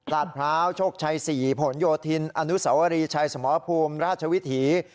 ลาดพร้าวโชคชัย๔ผลโยธินอนุสวรีชัยสมภูมิราชวิถี